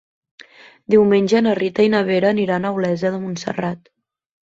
Diumenge na Rita i na Vera aniran a Olesa de Montserrat.